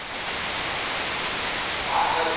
卡赫和布拉瑟姆合并而来。